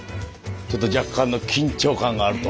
ちょっと若干の緊張感があると。